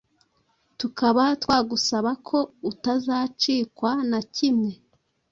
tukaba twagusaba ko utazakicwa na kimwe.